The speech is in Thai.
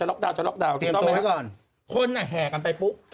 เตรียมตัวให้ก่อนคนแห่กันไปปุ๊บ